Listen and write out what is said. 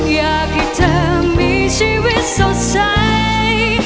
อยากให้เธอมีชีวิตสดใส